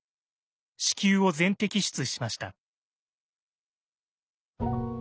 子宮を全摘出しました。